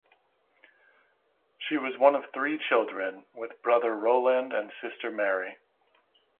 She was one of three children with brother Roland and sister Mary.